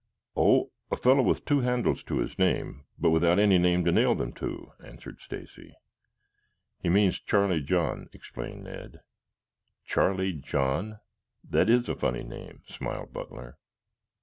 "Oh, a fellow with two handles to his name, but without any name to nail them to," answered Stacy. "He means Charlie John," explained Ned. "Charlie John? That is a funny name," smiled Butler.